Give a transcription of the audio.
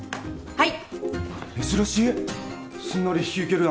はい。